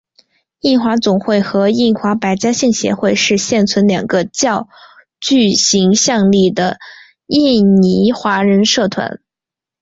印华总会和印华百家姓协会是现存两个较具影响力的印尼华人社团。